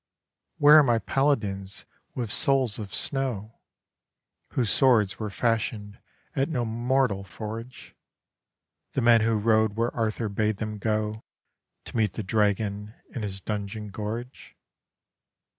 Where are my paladins with souls of snow, Whose swords were fashioned at no mortal forge, The men who rode where Arthur bade them go To meet the dragon in his dungeon gorge?